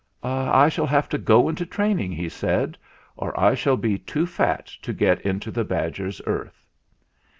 "I shall have to go into training," he said, "or I shall be too fat to get into the badger's earth."